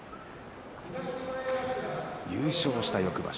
優勝した翌場所